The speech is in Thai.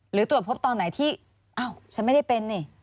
หรือตรวจพบตอนไหนที่อ้าวฉันไม่ได้เป็นนี่